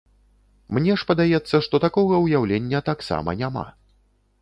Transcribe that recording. Мне ж падаецца, што такога ўяўлення таксама няма.